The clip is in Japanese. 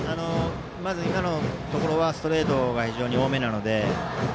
まず今のところはストレートが非常に多めなので。